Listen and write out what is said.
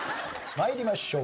参りましょう。